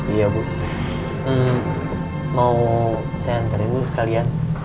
iya bu mau saya nantriin ibu sekalian